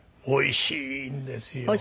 おいしいんですよ。